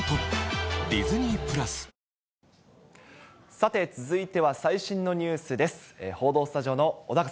さて、続いては最新のニュースです。